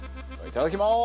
いただきます。